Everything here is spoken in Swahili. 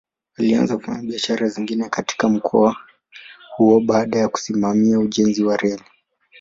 Alianza kufanya biashara zingine katika mkoa huo baada ya kusimamia ujenzi wa reli.